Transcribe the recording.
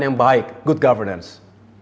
yang baik good governance